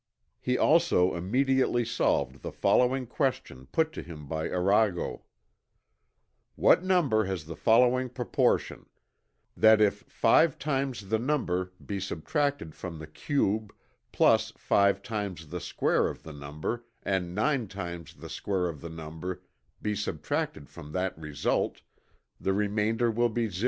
He also immediately solved the following question put to him by Arago: "What number has the following proportion: That if five times the number be subtracted from the cube plus five times the square of the number, and nine times the square of the number be subtracted from that result, the remainder will be 0?"